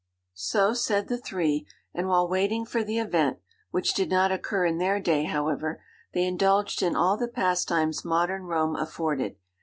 So said the three, and while waiting for the event (which did not occur in their day, however,) they indulged in all the pastimes modern Rome afforded.